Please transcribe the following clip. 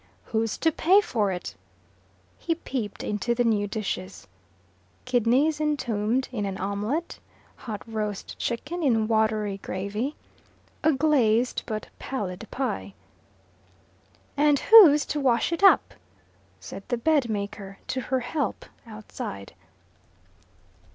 "Who's to pay for it?" He peeped into the new dishes. Kidneys entombed in an omelette, hot roast chicken in watery gravy, a glazed but pallid pie. "And who's to wash it up?" said the bedmaker to her help outside.